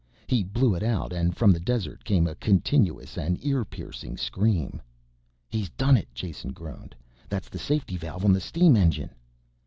He blew it out and from the desert came a continuous and ear piercing scream. "He's done it," Jason groaned. "That's the safety valve on the steam engine!"